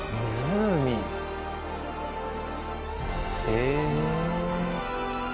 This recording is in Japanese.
へえ。